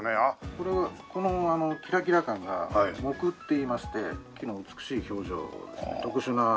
これはこのキラキラ感が杢っていいまして木の美しい表情特殊な表情です。